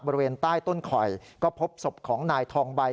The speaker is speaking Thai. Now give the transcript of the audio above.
บริเวณใต้ต้นข่อยก็พบศพของนายทองใบ